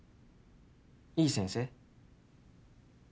いい先生？